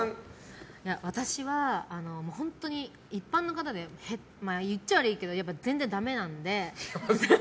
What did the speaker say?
私は、本当に一般の方で言っちゃ悪いけどやっぱ全然ダメなので。